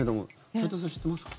齊藤さん、知ってますか？